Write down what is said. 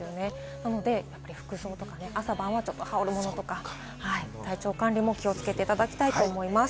なので、服装とか朝晩は羽織るものとか、体調管理も気をつけていただきたいと思います。